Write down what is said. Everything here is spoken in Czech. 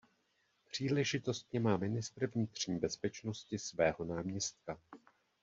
Příležitostně má ministr vnitřní bezpečnosti svého náměstka.